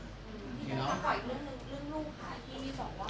พี่น้องถ้าขออีกเรื่องเรื่องลูกค้าที่มี๒วัน